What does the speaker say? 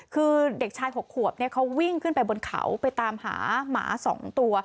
คือเด็กชาย๖ขวบเขาวิ่งขึ้นไปบนเขาไปตามหาหมา๒ตัว